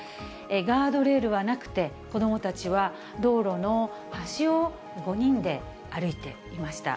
ガードレールはなくて、子どもたちは道路の端を５人で歩いていました。